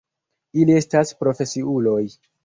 Ili estas profesiuloj.